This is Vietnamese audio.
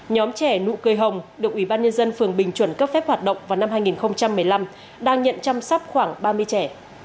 nhóm trẻ nụ cười hồng được ủy ban nhân dân phường bình chuẩn cấp phép hoạt động vào năm hai nghìn một mươi năm đang nhận chăm sóc khoảng ba mươi trẻ